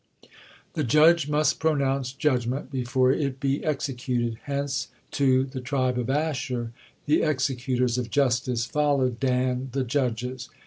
The judge must pronounce judgement before it be executed, hence, too, the tribe of Asher, "the executors of justice," followed Dan, the judges.